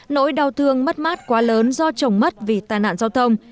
nỗi đau thương mất mát quá lớn do chồng mất vì tai nạn giao thông